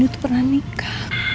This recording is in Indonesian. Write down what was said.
itu pernah nikah